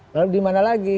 lalu di mana lagi